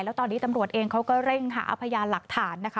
แล้วตอนนี้ตำรวจเองเขาก็เร่งหาพยานหลักฐานนะคะ